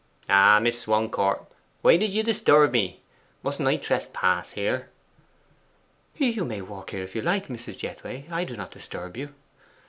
'Ah, Miss Swancourt! Why did you disturb me? Mustn't I trespass here?' 'You may walk here if you like, Mrs. Jethway. I do not disturb you.